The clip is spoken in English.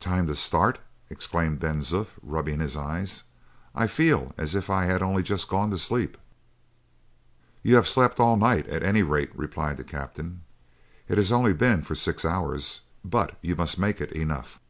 "Time to start?" exclaimed Ben Zoof, rubbing his eyes. "I feel as if I had only just gone to sleep." "You have slept all night, at any rate," replied the captain; "it has only been for six hours, but you must make it enough."